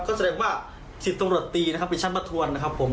ก็แสดงว่า๑๐ตำรวจตีนะครับเป็นชั้นประทวนนะครับผม